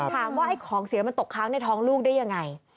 ถามว่าของเสียมันตกค้างในท้องลูกได้อย่างไร